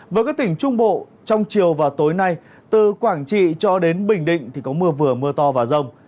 với các tỉnh trung bộ trong chiều và tối nay từ quảng trị cho đến bình định thì có mưa vừa mưa to và rông